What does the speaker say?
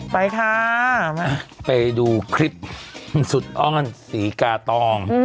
ไปค่ะมาไปดูคลิปสุดอ้อนศรีกาตอง